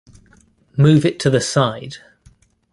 Move it to the side.